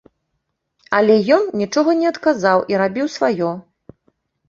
Але ён нічога не адказаў і рабіў сваё.